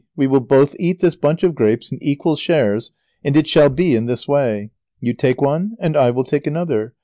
] We will both eat this bunch of grapes in equal shares, and it shall be in this way. You take one and I will take another.